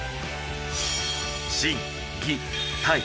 心・技・体。